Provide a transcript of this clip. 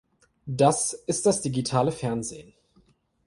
Das ist das digitale Fernsehen.